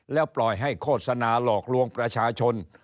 แล้วปล่อยให้โฆษณาหลอกลวงประชาชน